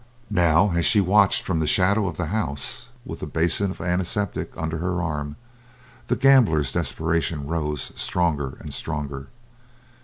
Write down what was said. Now, as she watched from the shadow of the house, with the basin of antiseptic under her arm, the gambler's desperation rose stronger and stronger.